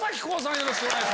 よろしくお願いします。